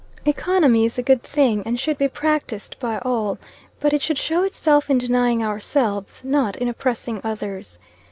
Economy is a good thing, and should be practiced by all, but it should show itself in denying ourselves, not in oppressing others.